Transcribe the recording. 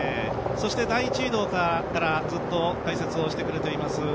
そして第１移動からずっと解説をしてくれています